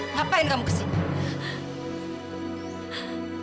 ngapain kamu kesini